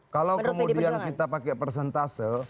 kalau kemudian kita pakai persentase